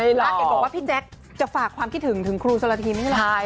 อยากบอกว่าพี่แจ๊คจะฝากความคิดถึงถึงครูโชลาธีนี่ไหม